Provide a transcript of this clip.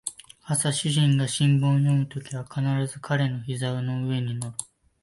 朝主人が新聞を読むときは必ず彼の膝の上に乗る